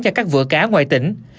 cho các vựa cá ngoài tỉnh